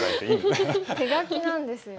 手書きなんですね。